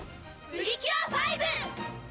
プリキュア５！」